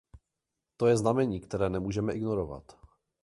To je znamení, které nemůžeme ignorovat.